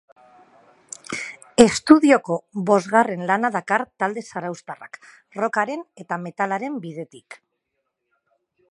Estudioko bosgarren lana dakar talde zarauztarrak, rockaren eta metalaren bidetik.